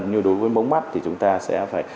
như đối với mống mắt thì chúng ta sẽ phải